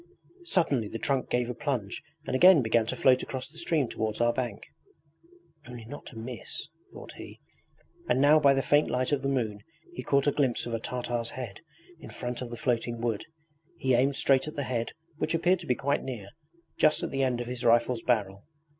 Suddenly the trunk gave a plunge and again began to float across the stream towards our bank. 'Only not to miss ...' thought he, and now by the faint light of the moon he caught a glimpse of a Tartar's head in front of the floating wood. He aimed straight at the head which appeared to be quite near just at the end of his rifle's barrel.